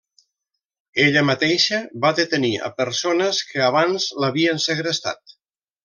Ella mateixa va detenir a persones que abans l'havien segrestat.